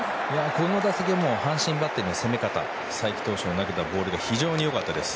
この打席は阪神バッテリーの攻め方才木投手の投げたボールが非常に良かったです。